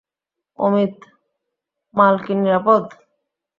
অমিত, মাল কি নিরাপদ?